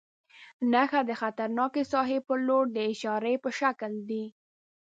نښه د خطرناکې ساحې پر لور د اشارې په شکل ده.